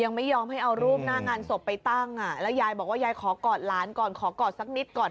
วันนี้ก็น้องไปเอาไว้เต้ายังไงก่อนยังก็นิดหน่อย